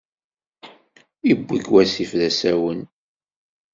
Iwwi-k wasif d asawen.